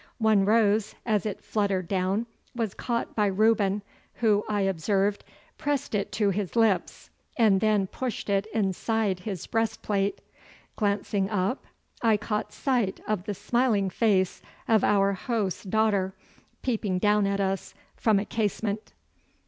One rose as it fluttered down was caught by Reuben, who, I observed, pressed it to his lips, and then pushed it inside his breastplate. Glancing up, I caught sight, of the smiling face of our host's daughter peeping down at us from a casement.